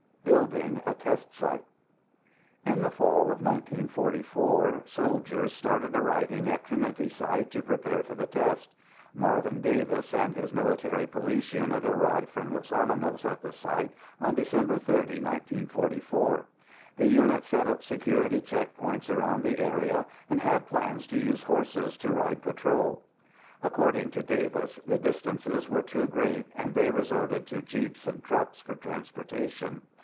Building a test site In the fall of 1944 soldiers started arriving at Trinity Site to prepare for the test. Marvin Davis and his military police unit arrived from Los Alamos at the site on Dec. 30, 1944. The unit set up security checkpoints around the area and had plans to use horses to ride patrol. According to Davis the distances were too great and they resorted to jeeps and trucks for transportation.